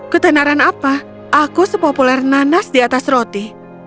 ketenaran apa aku sepopuler nanas di atas roti